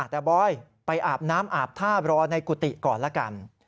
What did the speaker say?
แต่บอยไปอาบน้ำอาบท่ารอในกุฏิก่อนละกัน